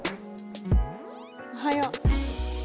おはよう。